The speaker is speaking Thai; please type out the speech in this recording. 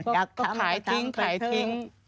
อยากก็ขายจริงขายจริง